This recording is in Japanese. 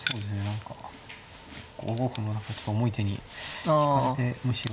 何か５五歩の何かちょっと重い手に引かれてむしろ。